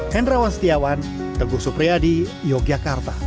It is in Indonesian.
hendrawan setiawan teguh supriyadi yogyakarta